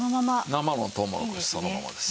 生のとうもろこしそのままです。